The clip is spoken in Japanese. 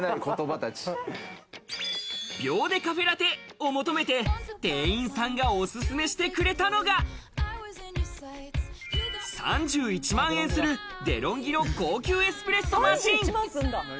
秒でカフェラテを求めて店員さんがおすすめしてくれたのが、３１万円するデロンギの高級エスプレッソマシン。